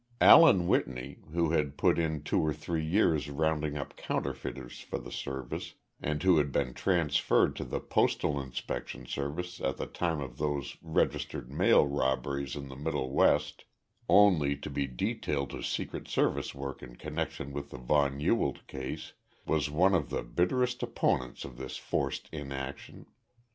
Alan Whitney, who had put in two or three years rounding up counterfeiters for the Service, and who had been transferred to the Postal Inspection Service at the time of those registered mail robberies in the Middle West only to be detailed to Secret Service work in connection with the von Ewald case was one of the bitterest opponents of this forced inaction.